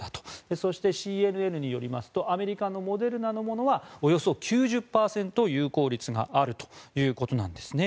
そして、ＣＮＮによりますとアメリカのモデルナのものはおよそ９０％有効率があるということです。